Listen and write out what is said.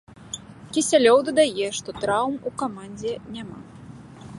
Кісялёў дадае, што траўм у камандзе няма.